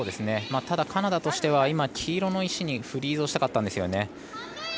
ただ、カナダとしては黄色の石にフリーズをしたかったんですよね。